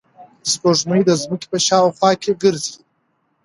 سپوږمۍ د ځمکې په شاوخوا ګرځي.